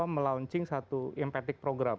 melunching satu emphatic program